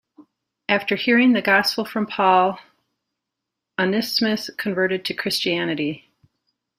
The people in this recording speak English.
After hearing the Gospel from Paul, Onesimus converted to Christianity.